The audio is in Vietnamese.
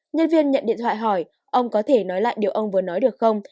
nhân viên nhận điện thoại hỏi ông có thể nói lại điều ông vừa nói được không